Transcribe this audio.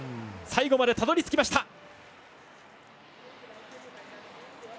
最後までたどり着きました。